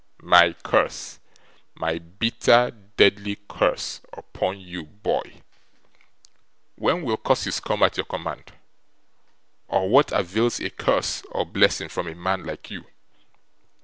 'My curse, my bitter, deadly curse, upon you, boy!' 'Whence will curses come at your command? Or what avails a curse or blessing from a man like you?